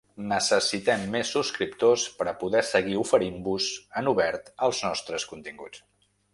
Necessitem més subscriptors, per a poder seguir oferint-vos en obert els nostres continguts.